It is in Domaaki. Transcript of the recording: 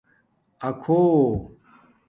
اکھُݸ